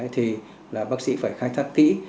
thì bác sĩ phải khai thác kỹ